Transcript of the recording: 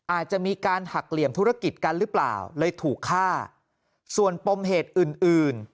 อาจจะมีการหักเหลี่ยมธุรกิจกันหรือเปล่าเลยถูกฆ่าส่วนปมเหตุอื่นอื่น